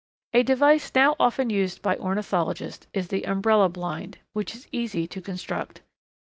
_ A device now often used by ornithologists is the umbrella blind, which is easy to construct.